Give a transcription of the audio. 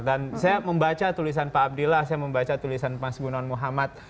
saya membaca tulisan pak abdillah saya membaca tulisan mas gunan muhammad